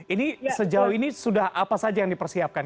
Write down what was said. ini sejauh ini sudah apa saja yang dipersiapkan